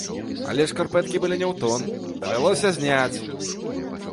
Але шкарпэткі былі не ў тон, давялося зняць!